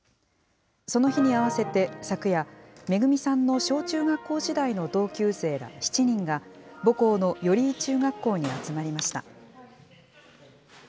その日に合わせて、昨夜、めぐみさんの小中学校時代の同級生ら７人が、母校の寄居中学校に集まりました。